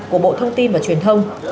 của bộ thông tin và truyền thông